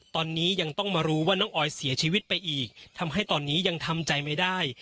ตอนนี้ยังต้องมารู้ว่าน้องออยเสียชีวิตไปอีกทำให้ตอนนี้ยังทำใจไม่ได้